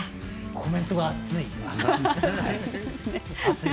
コメントが熱いです。